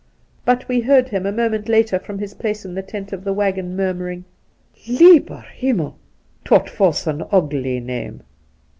But we heard him a moment later from his place in the tent of the waggon murmuring :' Lieber Himmel ! dot vos un oogly name.'